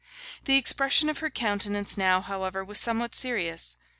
The expression of her countenance now, however, was somewhat serious.